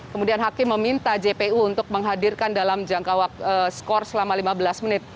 kemudian hakim meminta jpu untuk menghadirkan dalam jangka waktu skor selama lima belas menit